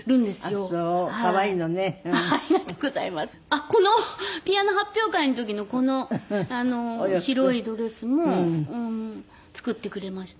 あっこのピアノ発表会の時のこの白いドレスも作ってくれました。